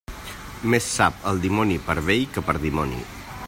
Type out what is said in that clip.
Més sap el dimoni per vell que per dimoni.